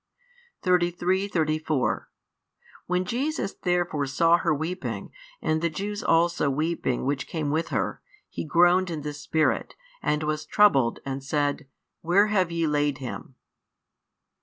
33, 34 When Jesus therefore saw her weeping, and the Jews also weeping which came with her, He groaned in the spirit, and was troubled, and said, Where have ye laid him?